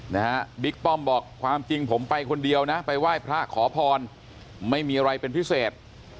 นะฮะบิ๊กป้อมบอกความจริงผมไปคนเดียวนะไปไหว้พระขอพรไม่มีอะไรเป็นพิเศษ